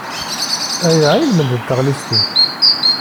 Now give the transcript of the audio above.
Aya i lmend n tɣellist-ik.